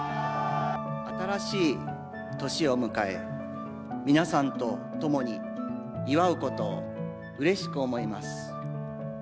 新しい年を迎え、皆さんとともに祝うことを、うれしく思います。